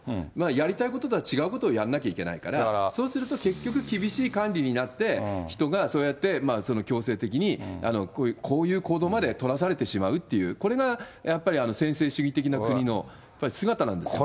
やりたいこととは違うことをやんなきゃいけないから、そうすると、結局、厳しい管理になって、人がそうやって強制的にこういう行動まで取らされてしまうという、これがやっぱり専制主義的な国の姿なんですよね。